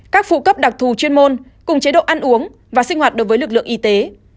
các phụ cấp đặc thù chuyên môn cùng chế độ ăn uống và sinh hoạt đối với lực lượng y tế